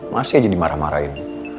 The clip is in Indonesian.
masih aja dimarah marahin